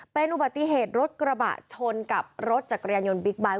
เป็นอุบัติเหตุรถกระบะชนกับรถจักรยานยนต์บิ๊กไบท์